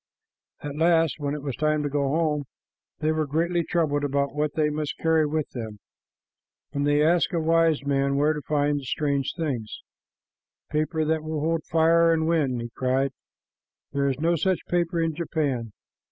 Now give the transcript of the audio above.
At last, when it was time to go home, they were greatly troubled about what they must carry with them, and they asked a wise man where to find the strange things. "Paper that will hold fire and wind!" he cried. "There is no such paper in Japan."